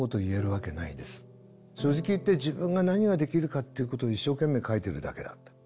正直言って自分が何ができるかっていうことを一生懸命書いてるだけだ。